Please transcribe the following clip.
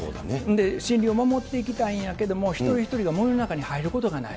森林を守っていきたいんやけど、一人一人が森の中に入ることがない。